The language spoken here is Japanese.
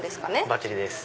ばっちりです。